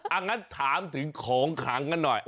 อย่างนั้นถามถึงของขังกันหน่อย